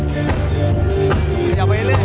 ขยับไปเรื่อย